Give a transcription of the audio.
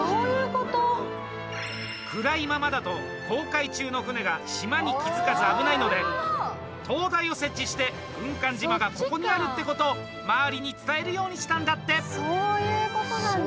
暗いままだと航海中の船が島に気づかず危ないので灯台を設置して軍艦島がここにあるってことを周りに伝えるようにしたんだって。